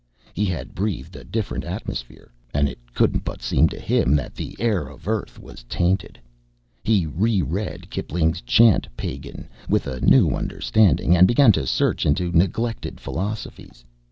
He had breathed a different atmosphere, and it couldn't but seem to him that the air of Earth was tainted. He re read Kipling's Chant Pagan with a new understanding, and began to search into neglected philosophies.